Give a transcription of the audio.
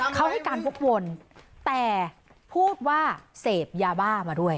เขาให้การวกวนแต่พูดว่าเสพยาบ้ามาด้วย